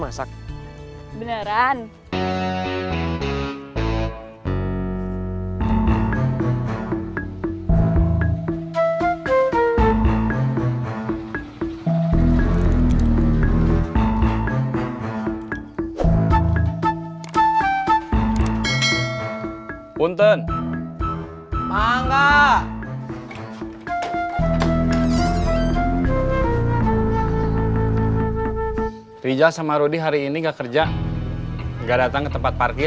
maksud kak nggak ada m stronger makanan lagi